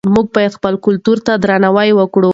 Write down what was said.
موږ باید خپل کلتور ته درناوی وکړو.